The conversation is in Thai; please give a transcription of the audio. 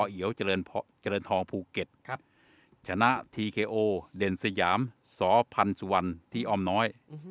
เอี๋ยวเจริญพอเจริญทองภูเก็ตครับชนะทีเคโอเด่นสยามสอพันธุ์สุวรรณที่ออมน้อย